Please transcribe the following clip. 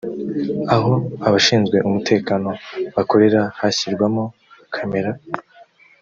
aho abashinzwe umutekano bakorera hashyirwamo camera